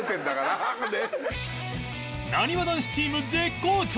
なにわ男子チーム絶好調！